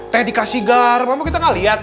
dedikasi gar apa kita gak liat